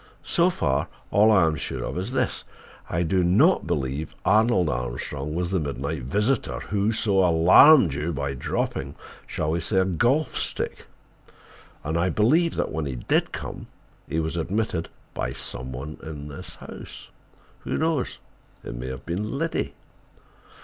So far, all I am sure of is this: I do not believe Arnold Armstrong was the midnight visitor who so alarmed you by dropping—shall we say, a golf stick? And I believe that when he did come he was admitted by some one in the house. Who knows—it may have been—Liddy!"